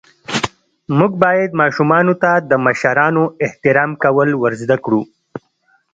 موږ باید ماشومانو ته د مشرانو احترام کول ور زده ڪړو.